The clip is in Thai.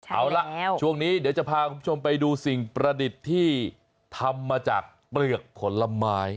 เอาล่ะช่วงนี้เดี๋ยวจะพาคุณผู้ชมไปดูสิ่งประดิษฐ์ที่ทำมาจากเปลือกผลไม้